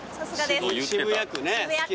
渋谷区ね。